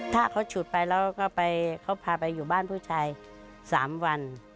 ถ้าเขาฉุดไปแล้วก็เขาพาไปอยู่บ้านผู้ชาย๓วัน